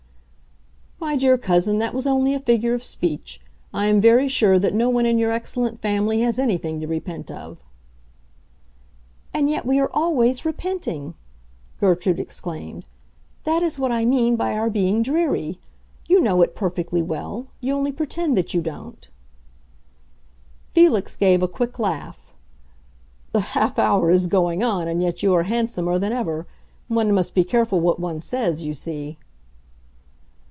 "My dear cousin, that was only a figure of speech. I am very sure that no one in your excellent family has anything to repent of." "And yet we are always repenting!" Gertrude exclaimed. "That is what I mean by our being dreary. You know it perfectly well; you only pretend that you don't." Felix gave a quick laugh. "The half hour is going on, and yet you are handsomer than ever. One must be careful what one says, you see."